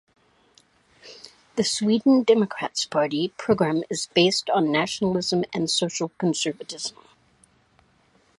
The Sweden Democrats' party programme is based on nationalism and social conservatism.